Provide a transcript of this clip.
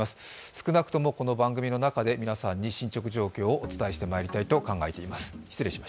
少なくともこの番組の中で皆さんに進ちょく状況をお伝えしてまいりたいと考えております。